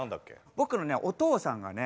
僕のねお父さんがね